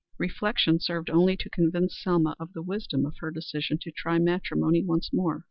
Reflection served only to convince Selma of the wisdom of her decision to try matrimony once more.